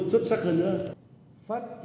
xuất sắc hơn nữa